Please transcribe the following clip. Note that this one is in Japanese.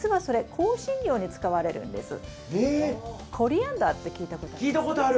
香辛料に使われるんですね。